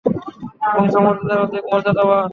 বংশ মর্যাদায় অধিক মর্যাদাবান।